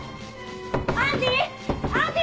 アンディ！